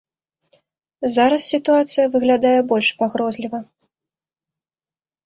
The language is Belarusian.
Зараз сітуацыя выглядае больш пагрозліва.